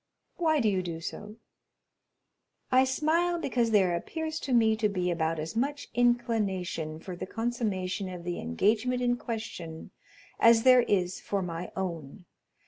"Why do you do so?" "I smile because there appears to me to be about as much inclination for the consummation of the engagement in question as there is for my own.